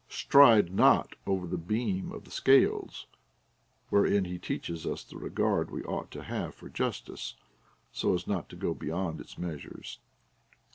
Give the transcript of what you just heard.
Stride not over the beam of the scales ; wherein he teacheth us the regard we ought to have for justice, so as not to go beyond its meas ures.